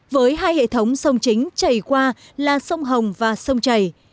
với hai hệ thống sông chính chảy qua là sông hồng và sông chảy